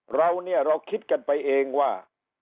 เราเนี่ยเราคิดกันไปเองว่า